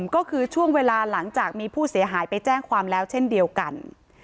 ก็คือช่วงเวลาหลังจากมีผู้เสียหายไปแจ้งความแล้วเช่นเดียวกัน